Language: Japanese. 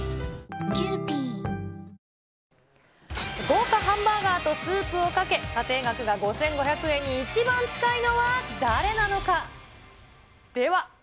豪華ハンバーガーとスープをかけ、査定額が５５００円に一番近いのは誰なのか。